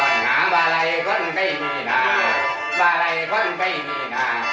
อันเก่าหอดลูน้ำพื้นสอนหาบาร์ไรพรันไม่มีนาน